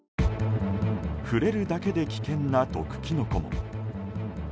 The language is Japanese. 触れるだけで危険な毒キノコも。